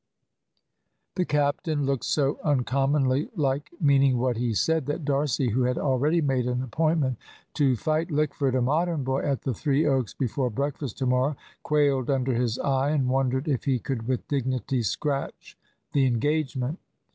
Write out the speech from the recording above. The captain looked so uncommonly like meaning what he said, that D'Arcy, who had already made an appointment to fight Lickford, a Modern boy, at the Three Oaks before breakfast to morrow, quailed under his eye, and wondered if he could with dignity "scratch" the engagement.